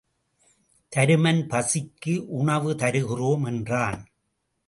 தருமன் பசிக்கு உணவு தருகிறோம் என்றான்.